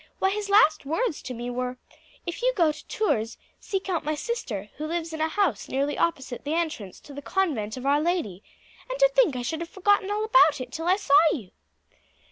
Why, his last words to me were, 'If you go to Tours, seek out my sister, who lives in a house nearly opposite the entrance to the convent of Our Lady;' and to think I should have forgotten all about it till I saw you!"